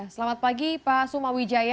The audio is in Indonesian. selamat pagi pak sumawijaya